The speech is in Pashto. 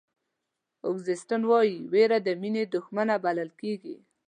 اګوستین وایي وېره د مینې دښمنه بلل کېږي.